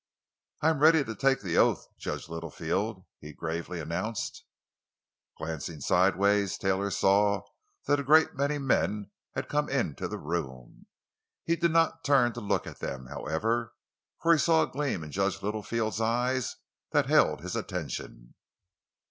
"I am ready to take the oath, Judge Littlefield," he gravely announced. Glancing sidewise, Taylor saw that a great many men had come into the room. He did not turn to look at them, however, for he saw a gleam in Judge Littlefield's eyes that held his attention.